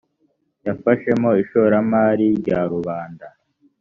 yafashemo ishoramari rya rubanda